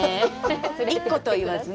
１個と言わずね。